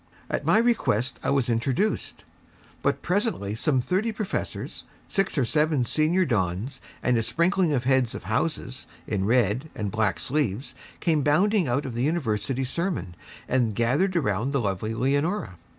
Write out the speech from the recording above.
At my request, I was introduced; but presently some thirty professors, six or seven senior dons, and a sprinkling of Heads of Houses in red and black sleeves came bounding out of University sermon, and gathered round the lovely Leonora.